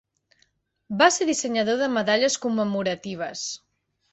Va ser dissenyador de medalles commemoratives.